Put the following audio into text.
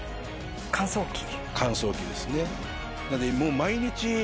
乾燥機ですね。